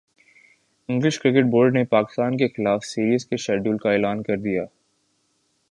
English cricket board نے پاکستان کیخلاف series کے شیڈول کا اعلان کر دیا